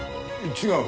違う。